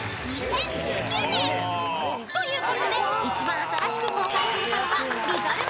［ということで一番新しく公開されたのは］